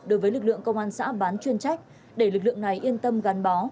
đối với lực lượng công an xã bán chuyên trách để lực lượng này yên tâm gắn bó